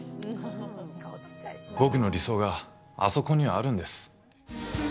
僕の理想があそこにはあるんです。